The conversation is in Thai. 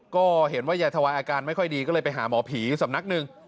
ก็เห็นว่ายายทวายอาการไม่ค่อยดีก็เลยไปหาหมอผีสำนักหนึ่ง